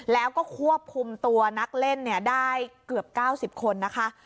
แล้วก็ควบคุมตัวนักเล่นได้เกือบ๙๐คนนะคะ